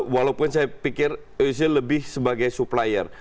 walaupun saya pikir usil lebih sebagai supplier